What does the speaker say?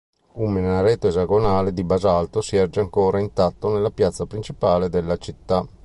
Un minareto esagonale di basalto si erge ancora intatto nella piazza principale della città.